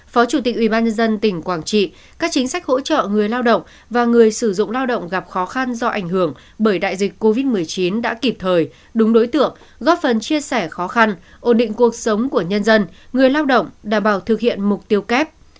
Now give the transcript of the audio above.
phó chủ tịch ubnd tỉnh quảng trị các chính sách hỗ trợ người lao động và người sử dụng lao động gặp khó khăn do ảnh hưởng bởi đại dịch covid một mươi chín đã kịp thời đúng đối tượng góp phần chia sẻ khó khăn ổn định cuộc sống của nhân dân người lao động đảm bảo thực hiện mục tiêu kép